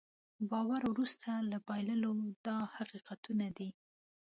باور وروسته له بایللو دا حقیقتونه دي.